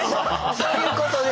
そういうことです。